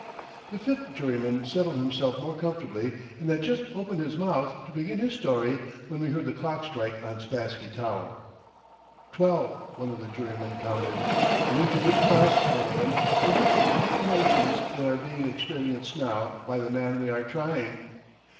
The fifth juryman settled himself more comfortably, and had just opened his mouth to begin his story when we heard the clock strike on Spassky Tower. "Twelve ..." one of the jurymen counted. "And into which class, gentlemen, would you put the emotions that are being experienced now by the man we are trying?